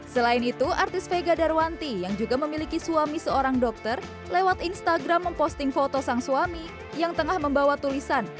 selain itu artis vega darwanti yang juga memiliki suami seorang dokter lewat instagram memposting foto sang suami yang tengah membawa tulisan